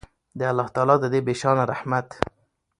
د الله تعالی د دې بې شانه رحمت